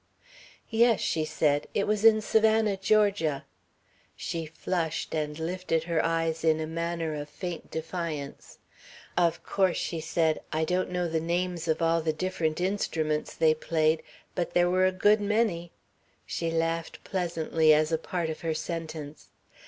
"Yes," she said. "It was in Savannah, Georgia." She flushed, and lifted her eyes in a manner of faint defiance. "Of course," she said, "I don't know the names of all the different instruments they played, but there were a good many." She laughed pleasantly as a part of her sentence.